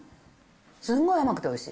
すんごい甘くておいしい。